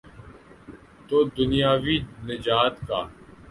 تو دنیاوی نجات کا۔